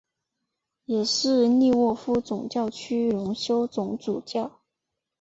也是利沃夫总教区荣休总主教。